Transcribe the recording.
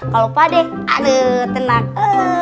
kalau pade tenang